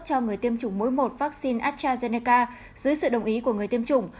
cho người tiêm chủng mũi một vaccine astrazeneca dưới sự đồng ý của người tiêm chủng